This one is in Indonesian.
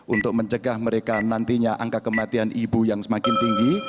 untuk mencegah mereka nantinya angka kematian ibu yang semakin tinggi